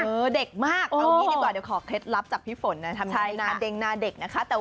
เออเด็กมากเอานี่ดีกว่าเดี๋ยวขอเคล็ดลับจากพี่ฝนนะทำงานนี้ค่ะ